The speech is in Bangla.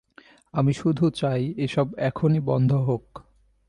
আমি শুধু চাই এসব এখনই বন্ধ হোক।